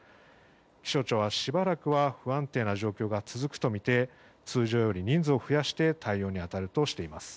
気象庁は、しばらくは不安定な状況が続くとみて通常より人数を増やして対応に当たるとしています。